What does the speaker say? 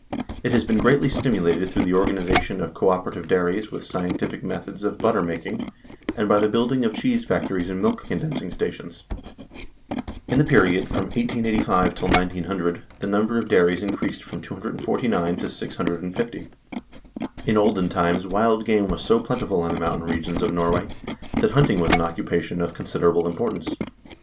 It has been greatly stimulated through the organization of cooperative dairies with scientific methods of butter making, and by the building of cheese factories and milk condensing stations. In the period from 1885 till 1900 the number of dairies increased from 249 to 650. In olden times wild game was so plentiful in the mountain regions of Norway that hunting was an occupation of considerable impor tance.